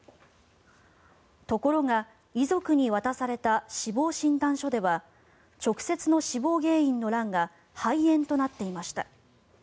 ところが、遺族に渡された死亡診断書では直接の死亡原因の欄が肺炎となっていました。